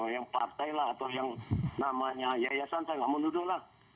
yang partai lah atau yang namanya yayasan saya nggak menuduh lah